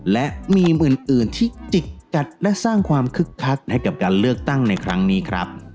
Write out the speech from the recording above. และมีหมื่นอื่นที่จิกกัดและสร้างความคึกคักให้กับการเลือกตั้งในครั้งนี้ครับ